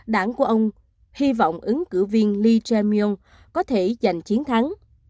đảng của ông hy vọng ứng cử viên lee jae myung có thể giành chiến thắng